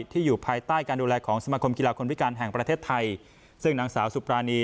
ที่อยู่ภายใต้การดูแลของสมัครโกรธกีฬาคนพิการแห่งประเทศไทย